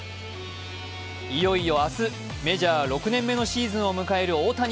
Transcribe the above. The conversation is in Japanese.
いよいよ明日、メジャー６年目のシーズンを迎える大谷。